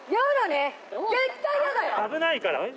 危ないから。